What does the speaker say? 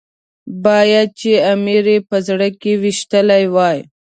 باید چې امیر یې په زړه کې ويشتلی وای.